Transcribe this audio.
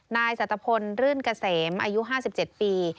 นายสัตวพลรื่นเกษมอายุ๕๗ปี